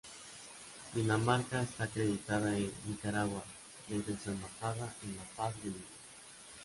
Dinamarca está acreditada en Nicaragua desde su embajada en La Paz, Bolivia.